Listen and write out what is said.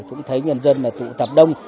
cũng thấy nhân dân tụ tập đông